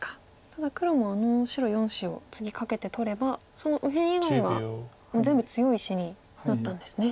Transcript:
ただ黒もあの白４子を次カケて取ればその左辺以外はもう全部強い石になったんですね。